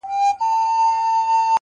تشه له سرو میو شنه پیاله به وي -